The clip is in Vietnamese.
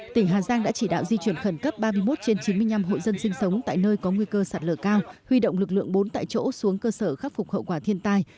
tỉnh hà giang đã chỉ đạo di chuyển khẩn cấp ba mươi một trên chín mươi năm hộ dân sinh sống tại nơi có nguy cơ sạt lở cao huy động lực lượng bốn tại chỗ xuống cơ sở khắc phục hậu quả thiên tai